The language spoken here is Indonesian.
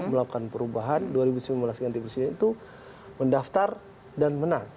melakukan perubahan dua ribu sembilan belas dua ribu sembilan belas itu mendaftar dan menang